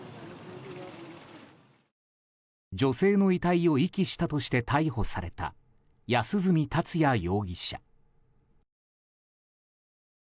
女性の遺体を遺棄したとして逮捕された、安栖達也容疑者。